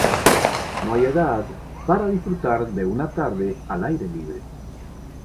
No hay edad para disfrutar de una tarde al aire libre.